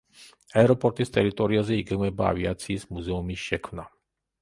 აეროპორტის ტერიტორიაზე იგეგმება ავიაციის მუზეუმის შექმნა.